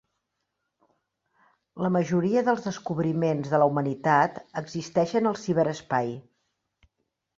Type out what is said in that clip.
La majoria dels descobriments de la humanitat existeixen al ciberespai.